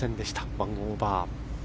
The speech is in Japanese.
１オーバー。